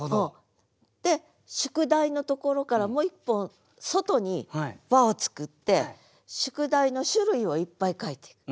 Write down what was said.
で「宿題」のところからもう一本外に輪を作って「宿題」の種類をいっぱい書いていく。